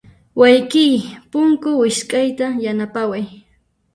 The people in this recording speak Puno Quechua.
Wayqiy, punku wisq'ayta yanapaway.